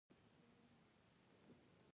انار د افغانستان په طبیعت کې یو ډېر مهم رول لري.